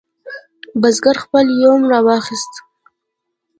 بزګر خپل یوم راواخست.